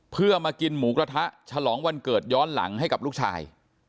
เพื่อมากินหมูกระทะฉลองวันเกิดย้อนหลังให้กับลูกชาย